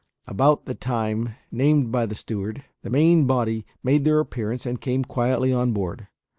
About the time named by the steward, the main body made their appearance and came quietly on board.